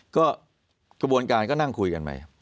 ก็กระบวนการก็นั่งคุยกันไป